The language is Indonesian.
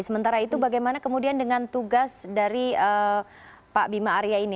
sementara itu bagaimana kemudian dengan tugas dari pak bima arya ini